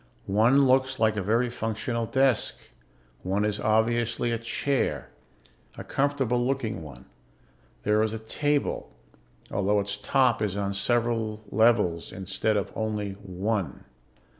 One looks like a very functional desk. One is obviously a chair ... a comfortable looking one. There is a table, although its top is on several levels instead of only one.